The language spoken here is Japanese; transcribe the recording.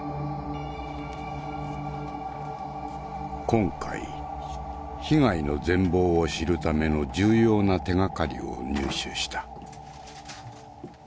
今回被害の全貌を知るための重要な手がかりを入手した。